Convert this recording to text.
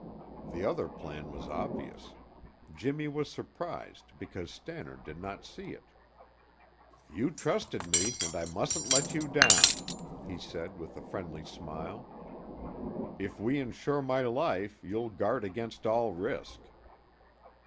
The other plan was obvious. Jimmy was surprised because Stannard did not see it. "You trusted me and I mustn't let you down," he said with a friendly smile. "If we insure my life, you'll guard against all risk."